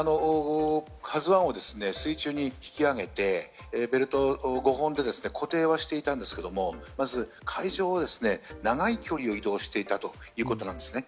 「ＫＡＺＵ１」を水中に引き揚げて、ベルト５本で固定はしていたんですけれども、まず海上、長い距離を移動していたということなんですね。